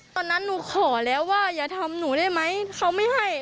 ตอนนั้นหนูขอแล้วว่าอย่าทำหนูได้ไหมเขาไม่ให้